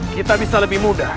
kita bisa lebih mudah